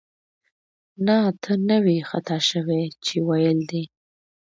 نه، ته نه وې خطا شوې چې ویل دې